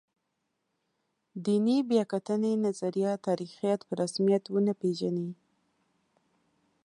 دیني بیا کتنې نظریه تاریخیت په رسمیت ونه پېژني.